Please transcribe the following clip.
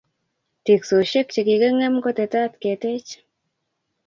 teksoshek chikikingem kotetat ketech